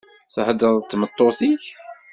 Theḍṛeḍ d tmeṭṭut-ik?